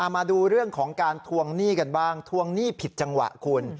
มาดูเรื่องของการทวงหนี้กันบ้างทวงหนี้ผิดจังหวะคุณ